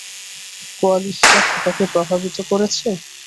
কোয়ালিস্টরা কি তাকে প্রভাবিত করেছে?